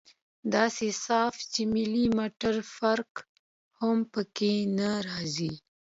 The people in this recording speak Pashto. داسې صاف چې ملي مټر فرق هم پکښې نه رځي.